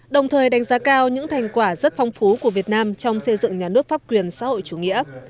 đồng thời đánh giá cao những thành quả rất phong phú của việt nam trong xây dựng nhà nước pháp quyền xã hội chủ nghĩa